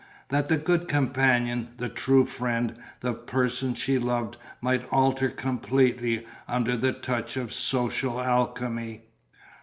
That the good companion, the true friend, the person she loved might alter completely under the touch of social alchemy.